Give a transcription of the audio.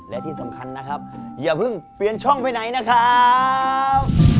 และที่สำคัญนะครับอย่าเพิ่งเปลี่ยนช่องไปไหนนะครับ